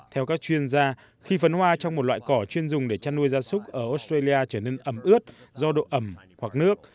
theo các chuyên gia khi phấn hoa trong một loại cỏ chuyên dùng để chăn nuôi gia súc ở australia trở nên ẩm ướt do độ ẩm hoặc nước